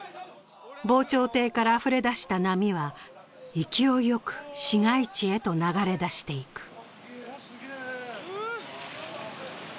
防潮堤からあふれ出した波は、勢いよく市街地へと流れ出していく。